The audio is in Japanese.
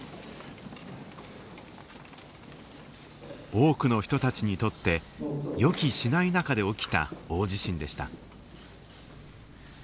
多くの人たちにとって予期しない中で起きた大地震でした。